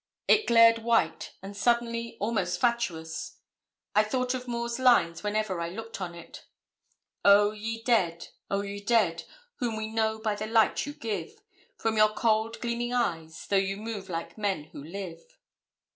It glared white and suddenly almost fatuous. I thought of Moore's lines whenever I looked on it: Oh, ye dead! oh, ye dead! whom we know by the light you give From your cold gleaming eyes, though you move like men who live.